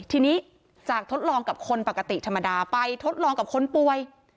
ทีนี้จากทดลองกับคนปกติธรรมดาไปทดลองกับคนป่วย